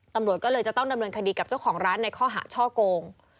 ตำรวจก็เลยจะต้องดำเนินคดีกับเจ้าของร้านในข้อหาช่อโกง